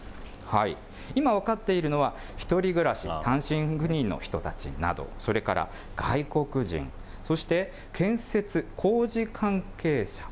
今、分かっているのは、１人暮らしの単身赴任の人たちなど、それから外国人、そして建設・工事関係者。